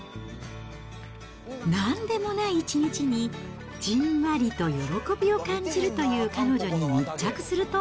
なんでもない一日に、じんわりと喜びを感じるという彼女に密着すると。